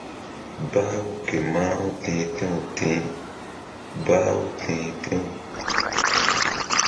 Bah-u ke mah-u ti̧h ti̧w ti̧h bah-u míti̧h ti̧w.